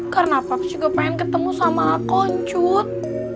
karena paps juga pengen ketemu sama ancut